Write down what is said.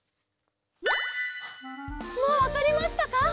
もうわかりましたか？